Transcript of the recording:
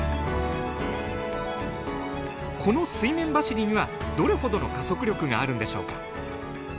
この水面走りにはどれほどの加速力があるんでしょうか。